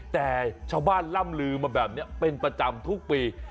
แต่ชาวบ้านล่ำลือมาแบบนี้เป็นประจำทุกปี